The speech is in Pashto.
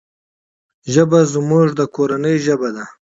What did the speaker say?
ژبه زموږ د کورنی ژبه ده.